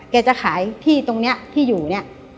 จะขายที่ตรงนี้ที่อยู่เนี่ย